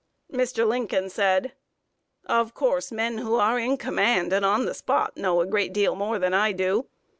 Mr. Lincoln said: "Of course, men who are in command and on the spot, know a great deal more than I do.